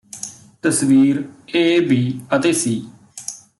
ਤਸਵੀਰ A B ਅਤੇ ਸੀ